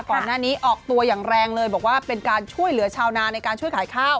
ก่อนหน้านี้ออกตัวอย่างแรงเลยบอกว่าเป็นการช่วยเหลือชาวนาในการช่วยขายข้าว